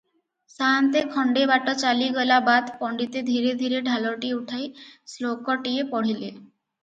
ସାଆନ୍ତେ ଖଣ୍ତେ ବାଟ ଚାଲିଗଲା ବାଦ୍ ପଣ୍ତିତେ ଧୀରେ ଧୀରେ ଢାଳଟି ଉଠାଇ ଶ୍ଳୋକଟିଏ ପଢ଼ିଲେ